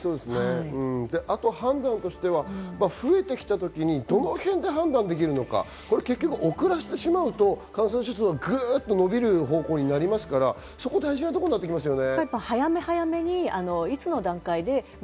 あと判断としては増えてきた時にどのへんで判断できるのか、結局、遅らせてしまうと感染者数がぐっと伸びる方向になりますからそこが大事ですよね。